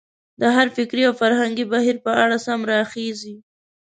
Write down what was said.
د هر فکري او فرهنګي بهیر په اړه سم راخېژي.